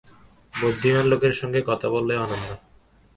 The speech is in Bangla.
বুদ্ধিমান লোকের সঙ্গে কথা বলেও আনন্দ।